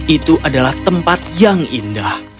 itu adalah tempat yang indah